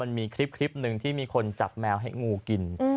มีคลิปหนึ่งที่มีคนจับแมวให้งูกิน